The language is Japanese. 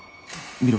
見ろ。